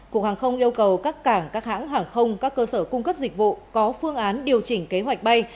cục hàng không yêu cầu các cảng các hãng hàng không các cơ sở cung cấp dịch vụ có phương án điều chỉnh kế hoạch bay